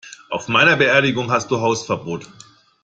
Auf meiner Beerdigung hast du Hausverbot!